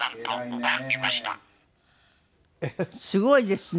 すごいですね！